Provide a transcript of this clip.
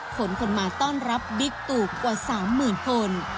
คนคนมาต้อนรับบิ๊กตูกว่า๓๐๐๐คน